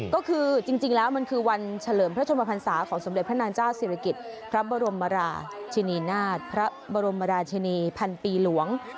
ก็คือจริงแล้วมันคือวันเฉลิมพระชนมพันศาของสมเด็จพระนางเจ้าศิริกิจพระบรมราชินีนาฏพระบรมราชินีพันปีหลวง